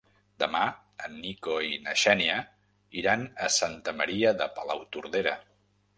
Demà en Nico i na Xènia iran a Santa Maria de Palautordera.